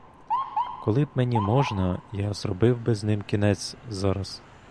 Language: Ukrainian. Коли б мені можна, я зробив би з ним кінець зараз.